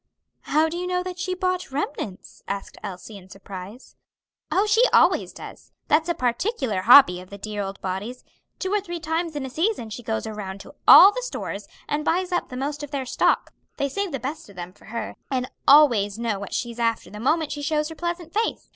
"How do you know that she bought remnants?" asked Elsie, in surprise. "Oh, she always does; that's a particular hobby of the dear old body's; two or three times in a season she goes around to all the stores, and buys up the most of their stock; they save the best of them for her, and always know what she's after the moment she shows her pleasant face.